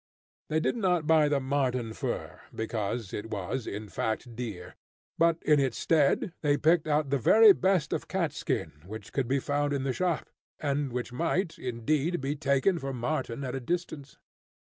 They did not buy the marten fur, because it was, in fact, dear, but in its stead, they picked out the very best of cat skin which could be found in the shop, and which might, indeed, be taken for marten at a distance.